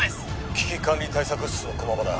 危機管理対策室の駒場だ